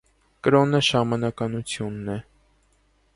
Կրոնը շամանականությունն է։